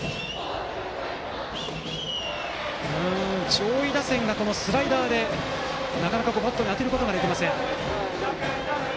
上位打線が、スライダーでなかなかバットに当てることができません。